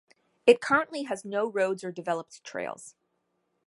It currently has no roads or developed trails.